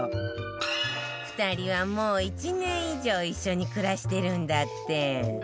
２人はもう１年以上一緒に暮らしてるんだって